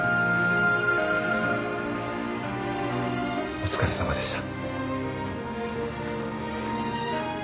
お疲れさまでした。